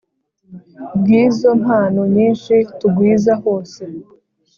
Bw Izo Mpano Nyinshi Tugwiza Hose